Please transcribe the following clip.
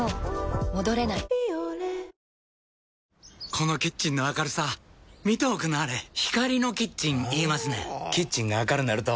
このキッチンの明るさ見ておくんなはれ光のキッチン言いますねんほぉキッチンが明るなると・・・